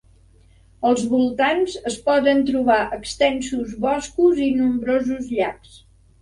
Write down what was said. Als voltants es poden trobar extensos boscos i nombrosos llacs.